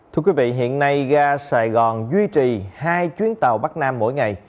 thưa quý vị hiện nay ga sài gòn duy trì hai chuyến tàu bắc nam mỗi ngày